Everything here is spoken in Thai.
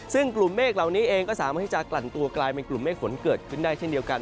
ซึ่งกลุ่มเมฆเหล่านี้เองก็สามารถที่จะกลั่นตัวกลายเป็นกลุ่มเมฆฝนเกิดขึ้นได้เช่นเดียวกัน